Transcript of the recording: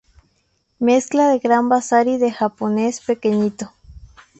mezcla de gran bazar y de japonés pequeñito